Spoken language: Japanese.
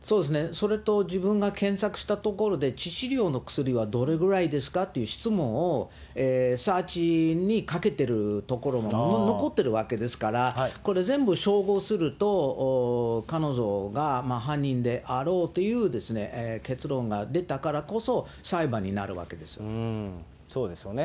それと自分が検索したところで、致死量の薬はどれぐらいですかという質問を、サーチにかけてるところも残ってるわけですから、これ、全部照合すると、彼女が犯人であろうという結論が出たからこそ、裁判になるわけでそうですよね。